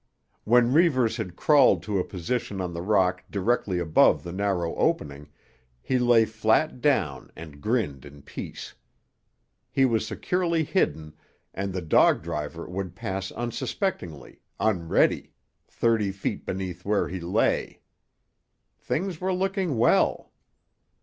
When Reivers had crawled to a position on the rock directly above the narrow opening, he lay flat down and grinned in peace. He was securely hidden, and the dog driver would pass unsuspectingly, unready, thirty feet beneath where he lay. Things were looking well.